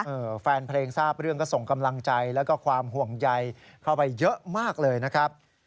แฟนเพลงทราบเรื่องก็ส่งกำลังใจแล้วก็ความห่วงใยเข้าไปเยอะมากเลยนะครับ